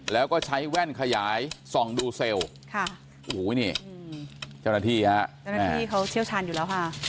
แล้วก็ใช้แว่นขยายส่องดูเซลล์ค่ะโอ้โหนี่เจ้าหน้าที่ฮะเจ้าหน้าที่เขาเชี่ยวชาญอยู่แล้วค่ะ